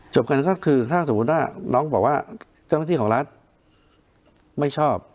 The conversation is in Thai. กันก็คือถ้าสมมุติว่าน้องบอกว่าเจ้าหน้าที่ของรัฐไม่ชอบ